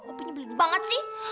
opinya beli banget sih